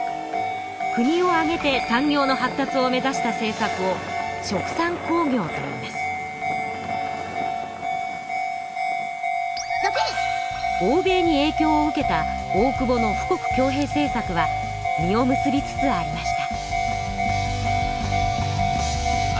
国を挙げて産業の発達を目指した政策を欧米にえいきょうを受けた大久保の富国強兵政策は実を結びつつありました。